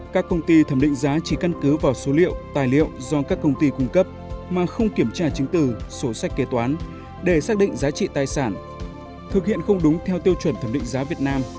các công ty thẩm định giá chỉ căn cứ vào số liệu tài liệu do các công ty cung cấp mà không kiểm tra chứng từ số sách kế toán để xác định giá trị tài sản